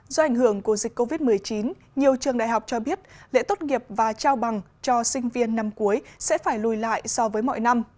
do ảnh hưởng của dịch covid một mươi chín nhiều trường đại học cho biết lễ tốt nghiệp và trao bằng cho sinh viên năm cuối sẽ phải lùi lại so với mọi năm